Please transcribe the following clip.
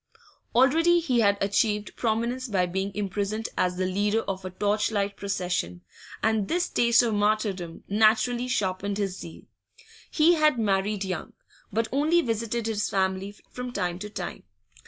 Already he had achieved prominence by being imprisoned as the leader of a torch light procession, and this taste of martyrdom naturally sharpened his zeal. He had married young, but only visited his family from time to time.